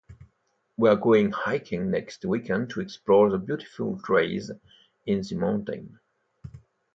We are going hiking next weekend to explore the beautiful trails in the mountains.